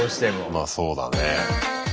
まあそうだね。